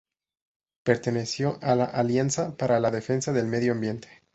Perteneció a la Alianza para la Defensa del Medio Ambiente.